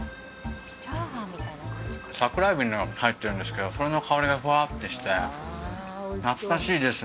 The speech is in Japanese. サクラエビが入ってるんですけどそれの香りがフワッてして懐かしいです